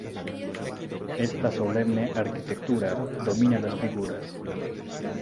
Esta solemne arquitectura domina a las figuras.